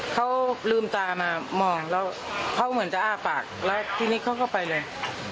เขาลืมตามามองแล้วเขาเหมือนจะอ้าปากแล้วทีนี้เขาก็ไปเลย